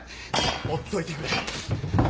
ほっといてくれ。